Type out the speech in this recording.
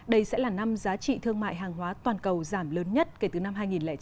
đây sẽ là năm giá trị thương mại hàng hóa toàn cầu giảm lớn nhất kể từ năm hai nghìn chín